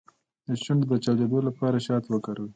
د شونډو د چاودیدو لپاره شات وکاروئ